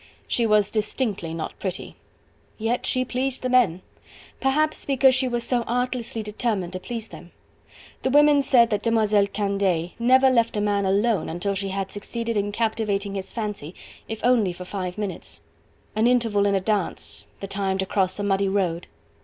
she was distinctly not pretty. Yet she pleased the men! Perhaps because she was so artlessly determined to please them. The women said that Demoiselle Candeille never left a man alone until she had succeeded in captivating his fancy if only for five minutes; an interval in a dance... the time to cross a muddy road.